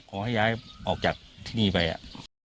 ขอให้ย้ายออกจากที่นี่ไปอ่ะ